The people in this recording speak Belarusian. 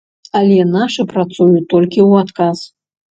Але нашы працуюць толькі ў адказ.